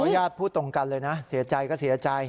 ญาติพูดตรงกันเลยนะเสียใจก็เสียใจ